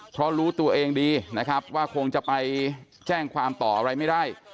เพราะรู้ตัวเองดีนะครับว่าคงจะไปแจ้งความต่ออะไรไม่ได้